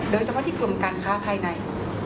โดยเฉพาะที่กรมการค้าภายใน